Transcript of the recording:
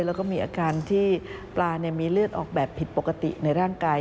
แล้วก็มีอาการที่ปลามีเลือดออกแบบผิดปกติในร่างกาย